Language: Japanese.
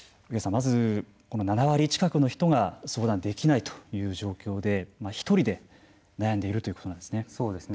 まず７割近くの人が相談できないという状況で１人で悩んでいるということなんですね。